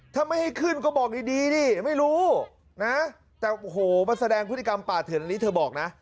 ถ้าไม่ให้ขึ้นก็บอกดีดิไม่รู้นะแต่โอ้โหมาแสดงพฤติกรรมป่าเถื่อนนี้เธอบอกนะ